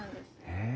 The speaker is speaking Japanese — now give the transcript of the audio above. へえ。